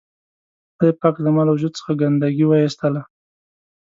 خدای پاک زما له وجود څخه ګندګي و اېستله.